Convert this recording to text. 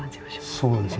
そうですよね。